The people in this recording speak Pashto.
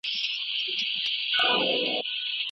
پاک خلک هیڅکله مظلوم مخلوق ته زیان نه رسوي.